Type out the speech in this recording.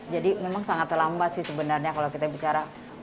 jadi memang sangat terlambat sih sebenarnya kalau kita bicara